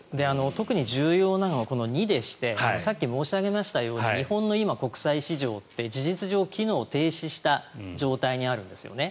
特に重要なのは２でしてさっき申し上げましたように日本の国債市場って事実上、機能停止した状態にあるんですね。